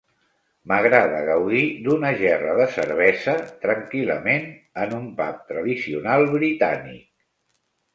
M'agrada gaudir d'una gerra de cervesa tranquil·lament en un pub tradicional britànic